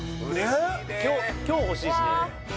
今日今日欲しいっすね